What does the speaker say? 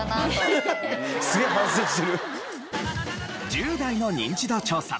１０代のニンチド調査。